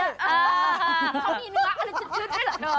เขาไม่ยินมั้ยว่าเอาลูกชุดชุดได้หรอ